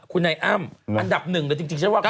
คุณนายอ้ำอันดับหนึ่งเลยจริงฉันว่า